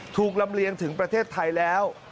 ลำเลียงถึงประเทศไทยแล้ว